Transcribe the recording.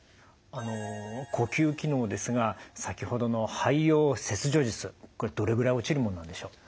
あの呼吸機能ですが先ほどの肺葉切除術どれぐらい落ちるもんなんでしょう？